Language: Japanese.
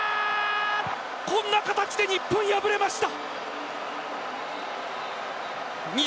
こんな形で日本、敗れました。